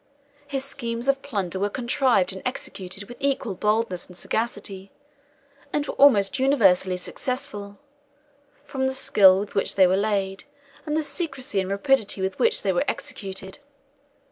His schemes of plunder were contrived and executed with equal boldness and sagacity, and were almost universally successful, from the skill with which they were laid, and the secrecy and rapidity with which they were executed.